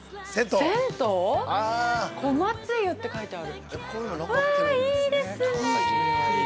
銭湯ヨガって書いてある。